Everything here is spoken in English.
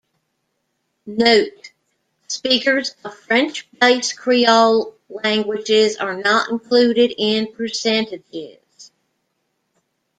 Note: speakers of French-based creole languages are not included in percentages.